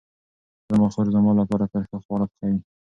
زما خور زما لپاره تل ښه خواړه پخوي.